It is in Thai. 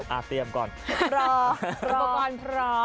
อ่าเตรียมก่อนพร้อมพร้อมพร้อมพร้อมพร้อมพร้อม